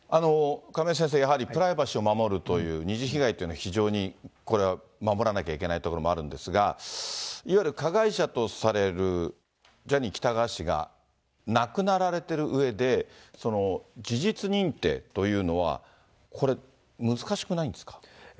亀井先生、やはり、プライバシーを守るという二次被害というのを非常にこれは、守らなきゃいけないところもあるんですが、いわゆる加害者とされるジャニー喜多川氏が、亡くなられているうえで、事実認定というのは、これ、難しくないんですか。